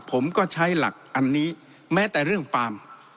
ผมก็ใช้หลักอันนี้แม้แต่เรื่องปาล์ม